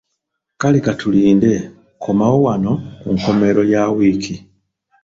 Kale KATULINDE, komawo wano ku nkomerero Ya wiiki.